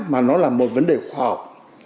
mà nó là một vấn đề khoa học